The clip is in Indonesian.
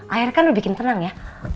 akhirnya kan lu bikin tenang ya